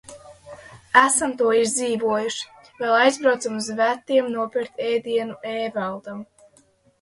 Esam to izdzīvojuši. Vēl aizbraucam uz vetiem nopirkt ēdienu Ēvaldam.